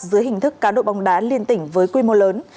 dưới hình thức cá độ bóng đá liên tỉnh với quy mô lớn